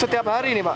setiap hari ini pak